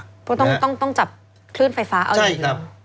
ต้องจับคลื่นไฟฟ้าเอาอยู่ดี